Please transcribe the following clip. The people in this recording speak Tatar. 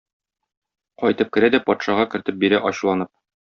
Кайтып керә дә патшага кертеп бирә ачуланып.